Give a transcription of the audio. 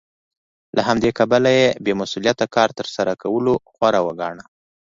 له همدې کبله یې بې مسوولیته کار تر سره کولو غوره ګاڼه